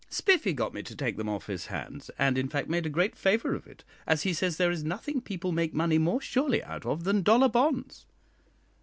Spiffy got me to take them off his hands, and, in fact, made a great favour of it, as he says there is nothing people make money more surely out of than dollar bonds."